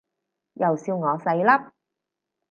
又笑我細粒